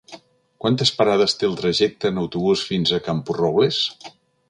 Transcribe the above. Quantes parades té el trajecte en autobús fins a Camporrobles?